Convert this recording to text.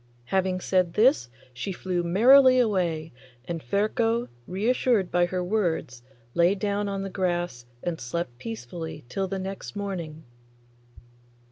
Having said this she flew merrily away, and Ferko, reassured by her words, lay down on the grass and slept peacefully till the next morning.